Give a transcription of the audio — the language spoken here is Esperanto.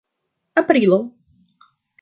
aprilo